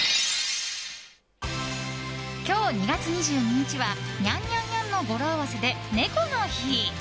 今日、２月２２日はニャン、ニャン、ニャンの語呂合わせで猫の日！